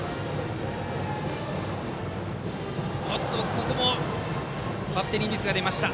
ここもバッテリーミスが出た。